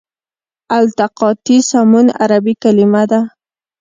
التقاطي سمون عربي کلمه ده.